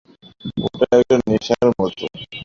ওটা একটা নেশার মতো।